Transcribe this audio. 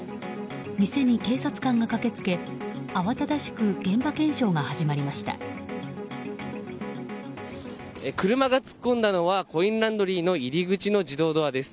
店に警察官が駆け付けあわただしく車が突っ込んだのはコインランドリーの入り口の自動ドアです。